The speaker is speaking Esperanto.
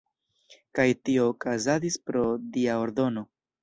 Kaj tio okazadis pro “dia ordono”.